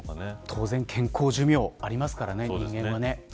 当然健康寿命ありますからね人間は。